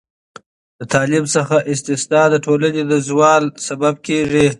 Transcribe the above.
د تعلیم څخه استثنا د ټولنې د زوال لامل کیږي.